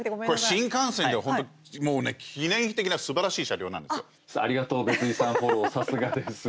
新幹線では本当記念碑的なすばらしい車両なんですよ。